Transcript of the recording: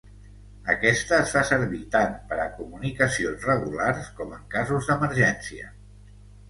Aquesta es fa servir tant per a comunicacions regulars com en casos d'emergència.